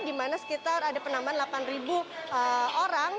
dimana sekitar ada penambahan delapan ribu orang